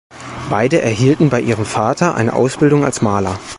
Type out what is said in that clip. Beide erhielten bei ihrem Vater eine Ausbildung als Maler.